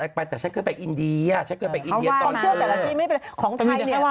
กลางคืนนั่นคือบังรวงอาทิตย์